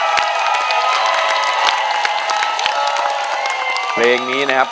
ค์เตรียมนี้นะครับ